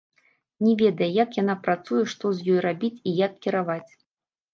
Не ведае, як яна працуе, што з ёй рабіць і як кіраваць.